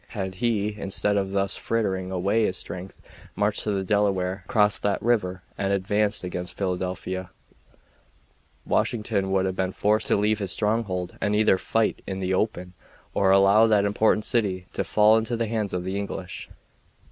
Had he, instead of thus frittering away his strength, marched to the Delaware, crossed that river, and advanced against Philadelphia, Washington would have been forced to leave his stronghold and either fight in the open or allow that important city to fall into the hands of the English.